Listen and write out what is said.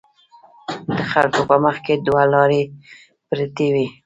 د خلکو په مخکې دوه لارې پرتې وي.